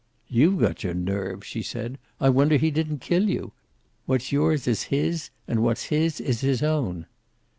"You've got your nerve," she said. "I wonder he didn't kill you. What's yours is his and what's his is his own!"